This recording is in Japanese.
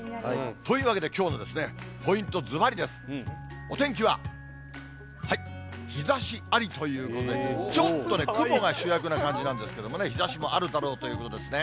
ということできょうのポイント、ずばりです、お天気ははい、日ざしありということで、ちょっとね、雲が主役な感じなんですけれども、日ざしもあるだろうということですね。